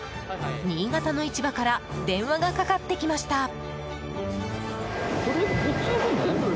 新潟の市場から電話がかかってきました。